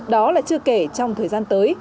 đó là chưa kể trong thời gian tới